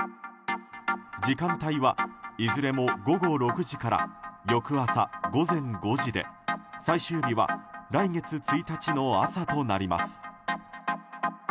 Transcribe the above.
時間帯はいずれも午後６時から翌朝午前５時で最終日は来月１日の朝となります。